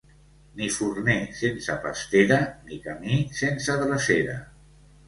Ni forner sense pastera ni camí sense drecera.